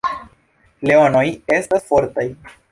Leonoj estas fortaj.